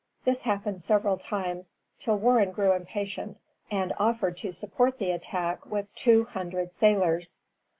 This happened several times, till Warren grew impatient, and offered to support the attack with two hundred sailors.